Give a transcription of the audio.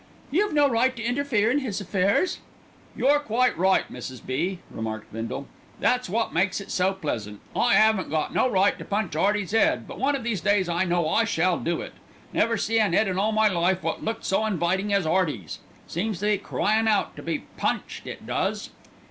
"You've no right to interfere in his affairs." "You're quite right, Mrs. B.," remarked Bindle, "that's wot makes it so pleasant. I 'aven't no right to punch 'Earty's 'ead; but one of these days I know I shall do it. Never see an 'ead in all my life wot looked so invitin' as 'Earty's. Seems to be crying out to be punched, it does."